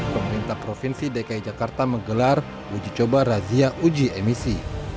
pemerintah provinsi dki jakarta menggelar uji coba razia uji emisi